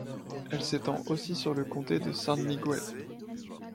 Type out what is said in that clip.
Elle s’étend aussi sur le comté de San Miguel.